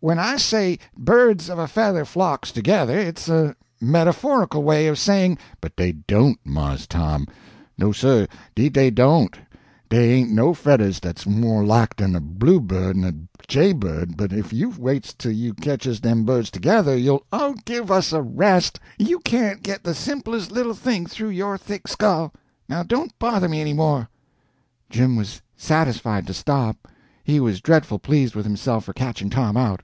"When I say birds of a feather flocks together, it's a metaphorical way of saying—" "But dey don't!, Mars Tom. No, sir, 'deed dey don't. Dey ain't no feathers dat's more alike den a bluebird en a jaybird, but ef you waits till you catches dem birds together, you'll—" "Oh, give us a rest! You can't get the simplest little thing through your thick skull. Now don't bother me any more." Jim was satisfied to stop. He was dreadful pleased with himself for catching Tom out.